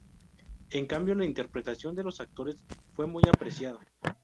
En cambio, la interpretación de los actores fue muy apreciada.